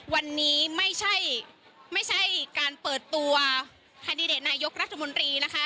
วันนี้ไม่ใช่การเปิดตัวแคนดิเดตนายกรัฐมนตรีนะคะ